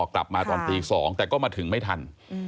กลับมาตอนตี๒แต่ก็มาถึงไม่ทัน